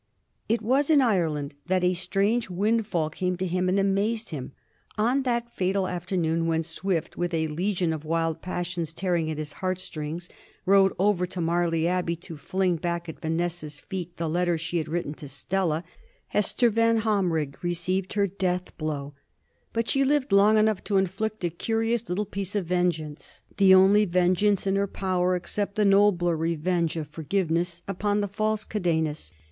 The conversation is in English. It was in Ire land that a strange windfall came to him and amazed him. On that fatal afternoon when Swift, with a legion of wild passions tearing at his heartstrings, rode over to Marley Abbey to fling back at Vanessa's feet the letter she had written to Stella, Hester Yanhomrigh received 294 A BISTORT OF THS FOUR OEORGEa gelxll her death bloMi:, But she lived long enough to inflict a curious little piece of vengeance, the only vengeance in her power, except the nobler revenge of forgiveness, upon the false Cadenus.